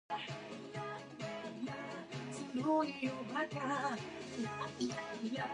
Much of his work in Paris belonged to the Symbolism painting style.